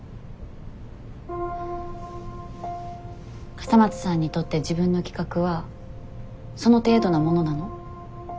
笠松さんにとって自分の企画はその程度なものなの？